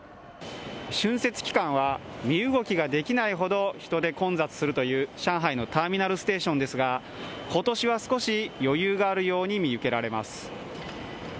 春節期間は、身動きができないほど人で混雑するという上海のターミナルステーションですが今年は少し余裕があるように見受けられます。